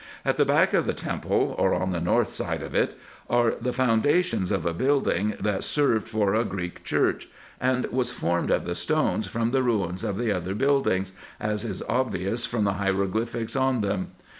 At the back of the temple, or on the north side of it, are the founda tions of a building that served for a Greek church, and was formed of the stones from the ruins of the other buildings, as is obvious from the hieroglyphics on them.